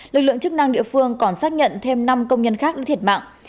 lực lượng chức năng địa phương còn xác nhận thêm năm công nhân khác đã thiệt mạng